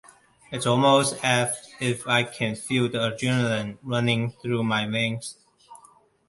It's almost as if I can feel the adrenaline running through my veins.